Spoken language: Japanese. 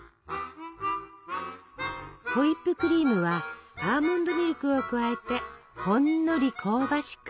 ホイップクリームはアーモンドミルクを加えてほんのり香ばしく。